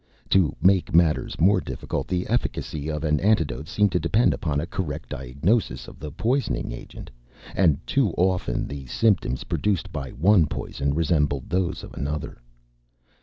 To make matters more difficult, the efficacy of an antidote seemed to depend upon a correct diagnosis of the poisoning agent. And too often the symptoms produced by one poison resembled those of another.